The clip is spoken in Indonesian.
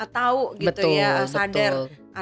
tahu gitu ya sadar